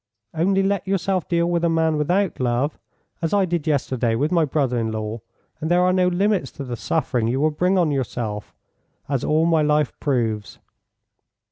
Only let yourself deal with a man without love, as I did yesterday with my brother in law, and there are no limits to the suffering you will bring on yourself, as all my life proves.